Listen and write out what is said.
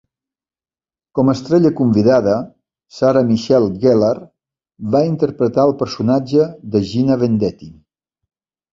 Com a estrella convidada, Sarah Michelle Gellar va interpretar el personatge de Gina Vendetti.